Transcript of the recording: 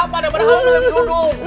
kenapa daripada kamu mirip dudung